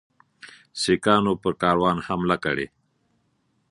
سیکهانو پر کاروان حمله کړې.